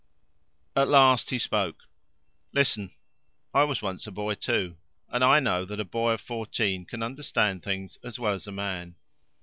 At last he spoke. "Listen. I was once a boy too, and I know that a boy of fourteen can understand things as well as a man.